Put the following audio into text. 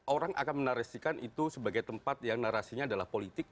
orang akan menarasikan itu sebagai tempat yang narasinya adalah politik